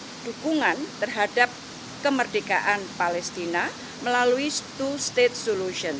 maksudnya di dalam erkuran rrt rrt bisa melakukan kemerdekaan kemerdekaan palestina melalui two state solution